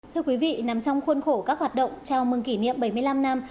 thưa quý vị nằm trong khuôn khổ các hoạt động chào mừng kỷ niệm bảy mươi năm năm